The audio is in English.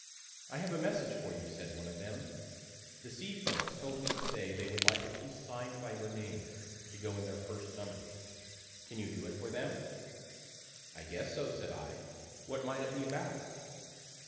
"I have a message for you," said one of them; "the C. folks told me to say they would like a piece sign'd by your name, to go in their first number. Can you do it for them?" "I guess so," said I; "what might it be about?"